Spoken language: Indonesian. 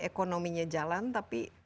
ekonominya jalan tapi